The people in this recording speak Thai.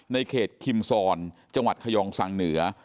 ในเขตคิมซอนจังหวัดขยองสังเหนือ